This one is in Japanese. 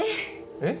えっ？